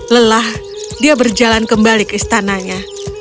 lelah dia berjalan kembali ke istananya